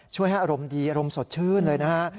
ช่วยให้อารมณ์ดีอารมณ์สดชื่นเลยนะฮะ